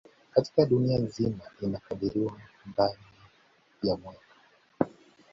Katika dunia nzima inakadiriwa ndani ya mwaka